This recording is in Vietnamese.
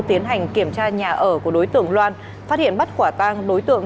tiến hành kiểm tra nhà ở của đối tượng loan phát hiện bắt quả tang đối tượng